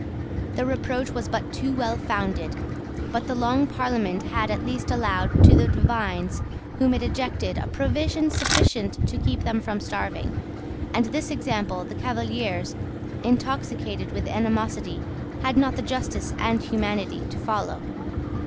The reproach was but too well founded: but the Long Parliament had at least allowed to the divines whom it ejected a provision sufficient to keep them from starving; and this example the Cavaliers, intoxicated with animosity, had not the justice and humanity to follow.